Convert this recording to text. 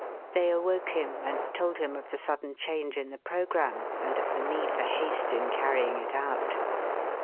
They awoke him and told him of the sudden change in the programme and of the need for haste in carrying it out.